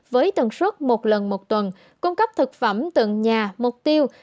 với tầng suất một lần một tuần cung cấp thực phẩm tầng nhà mục tiêu